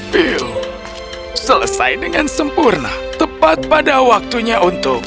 phil selesai dengan sempurna tepat pada waktunya untuk